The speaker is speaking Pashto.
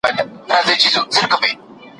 دا وینا باید په پښتو کي په پوره دقت ثبت سي.